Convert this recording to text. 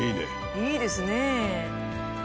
いいですね。